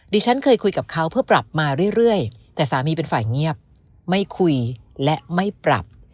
ฉันเคยคุยกับเขาเพื่อปรับมาเรื่อยแต่สามีเป็นฝ่ายเงียบไม่คุยและไม่ปรับ